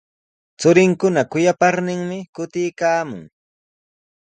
Churinkuna kuyaparninmi kutiykaamun.